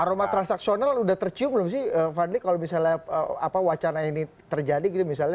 aroma transaksional sudah tercium belum sih fadli kalau misalnya wacana ini terjadi gitu misalnya